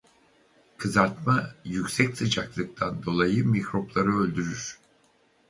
Kızartma yüksek sıcaklıktan dolayı mikropları öldürür.